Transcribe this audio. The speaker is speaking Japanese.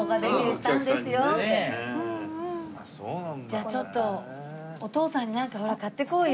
じゃあちょっとお父さんになんかほら買っていこうよ。